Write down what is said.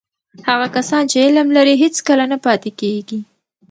هغه کسان چې علم لري، هیڅکله نه پاتې کېږي.